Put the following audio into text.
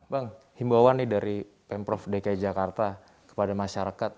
bang himbauan nih dari pemprov dki jakarta kepada masyarakat